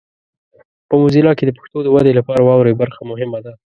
په موزیلا کې د پښتو د ودې لپاره واورئ برخه مهمه ده.